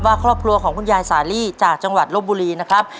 ครอบครัวของคุณยายสาลีจากจังหวัดลบบุรีนะครับ